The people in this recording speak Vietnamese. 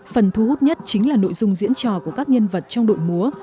phần thu hút nhất chính là nội dung diễn trò của các nhân vật trong đội múa